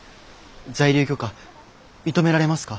在留許可認められますか？